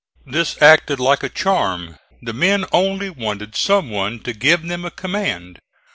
This acted like a charm. The men only wanted some one to give them a command.